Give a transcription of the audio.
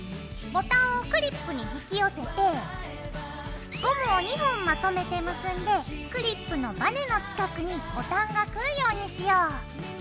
ボタンをクリップに引き寄せてゴムを２本まとめて結んでクリップのばねの近くにボタンが来るようにしよう。